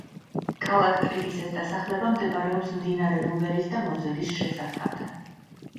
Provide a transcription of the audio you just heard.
ქალაქ ტრირის ეს დასახლება მდებარეობს მდინარე რუვერის და მოზელის შესართავთან.